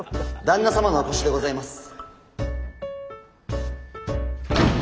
旦那様のお越しでございます。